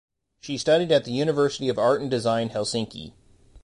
She studied at the University of Art and Design Helsinki.